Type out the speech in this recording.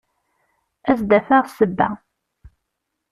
Ad s-d-afeɣ ssebba.